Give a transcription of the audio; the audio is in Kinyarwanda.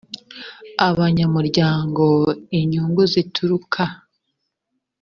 abanyamuryango inyungu zituruka